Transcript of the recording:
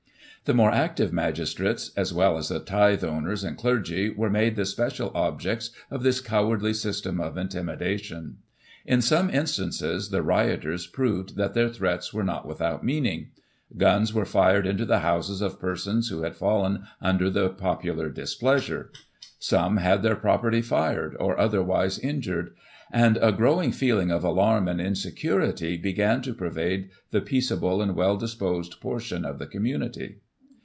The more active magistrates, as well as the tithe owners and clergy, were made the special objects of this cowardly system of intimidation. In some in stances, the rioters proved that their threats were not without meaning. Guns were fired into the houses of persons who had fallen under the popular displeasure. Some had their property fired, or otherwise injured ; and a growing feeling of alarm and insecurity began to pervade the peaceable and well disposed portion of the community.